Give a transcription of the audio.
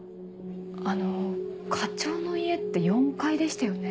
あの課長の家って４階でしたよね？